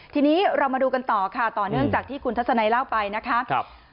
ทีนี้เรามาดูกันต่อค่ะต่อเนื่องจากที่คุณทัศนัยเล่าไปนะคะ